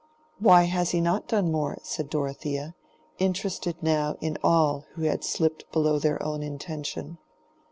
"Why has he not done more?" said Dorothea, interested now in all who had slipped below their own intention.